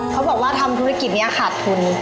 เขาบอกว่าทำธุรกิจนี้ขาดทุน